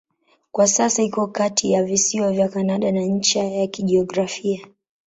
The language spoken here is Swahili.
Kwa sasa iko kati ya visiwa vya Kanada na ncha ya kijiografia.